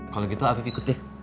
kalau gitu afif ikut deh